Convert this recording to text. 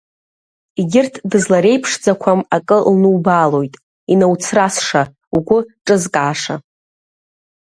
Егьырҭ дызлареиԥшӡақәам акы лнубаалоит, инауцрасша, угәы ҿызкааша…